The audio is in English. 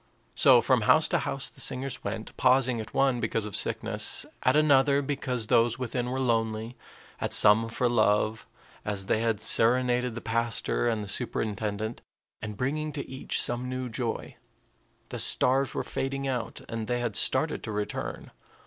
So from house to house the singers went, pausing at one because of sickness, at another because those within were lonely, at some for love, as they had serenaded the pastor and the superintendent, and bringing to each some new joy. The stars were fading out, and they had started to return.